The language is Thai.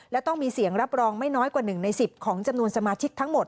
และต้องมีเสียงรับรองไม่น้อยกว่า๑ใน๑๐ของจำนวนสมาชิกทั้งหมด